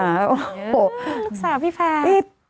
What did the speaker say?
อื้อลูกสาวพี่ปันน่ะ